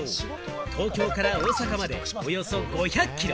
東京から大阪までおよそ５００キロ。